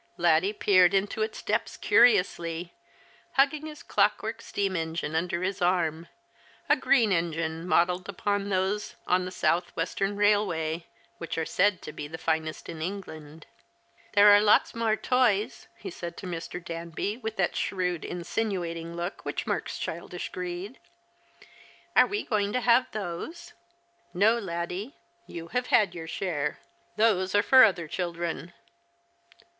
Laddie peered into its depths curiously, hugging his clockwork steam engine under his arm — a green engine modelled upon those on the South Western Eailway, which are said to be the finest in England. " There are lots more toys," he said to Mr. Danby, with that shrewd insinuating look which marks childish greed. " Are we ffoino; to have those ?" 154 The Christmas Hirelings. " No, Laddie. You have had your share. Those are for other chiklren."